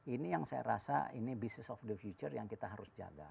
ini yang saya rasa ini business of the future yang kita harus jaga